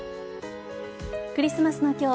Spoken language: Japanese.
クリスマスの今日